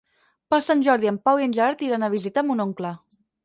Per Sant Jordi en Pau i en Gerard iran a visitar mon oncle.